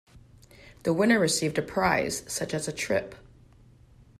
The winner received a prize such as a trip.